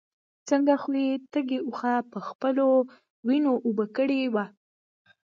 ځکه خو يې تږي واښه په خپلو وينو اوبه کړي وو.